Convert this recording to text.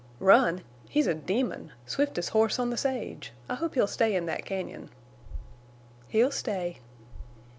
"Run? He's a demon. Swiftest horse on the sage! I hope he'll stay in that cañon." "He'll stay."